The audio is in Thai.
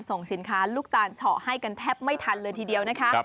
ส่งสินค้าลูกตาลเฉาะให้กันแทบไม่ทันเลยทีเดียวนะคะ